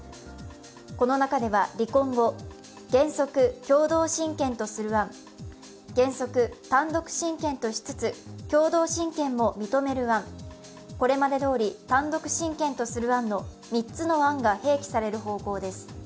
この中では離婚後、原則共同親権とする案、原則単独親権としつつ、共同親権も認める案、これまでどおり単独親権とする案の３つの案が併記される方向です。